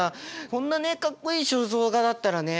こんなねかっこいい肖像画だったらね